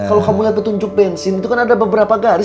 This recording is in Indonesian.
kalau kamu lihat petunjuk bensin itu kan ada beberapa garis